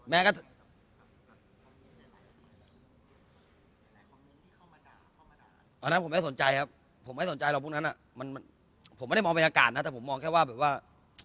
แม้ก็อันนั้นผมไม่สนใจครับผมไม่สนใจเราพวกนั้นอ่ะมันผมไม่ได้มองบรรยากาศนะแต่ผมมองแค่ว่าแบบว่า